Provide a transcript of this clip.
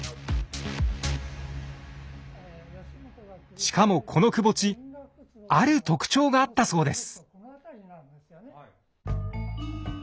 しかもこのくぼ地ある特徴があったそうです。